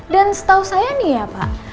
dan setahu saya nih ya pak